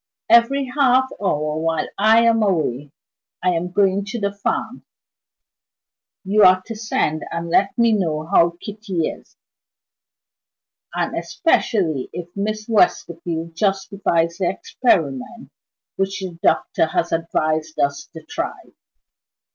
"Every half hour while I am away (I am going to the farm) you are to send and let me know how Kitty is and especially if Miss Westerfield justifies the experiment which the doctor has advised us to try."